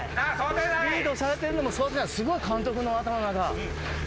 リードされてるのも想定内すごい監督の頭の中。